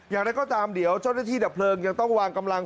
อย่างไรก็ตามเดี๋ยวเจ้าหน้าที่ดับเพลิงยังต้องวางกำลัง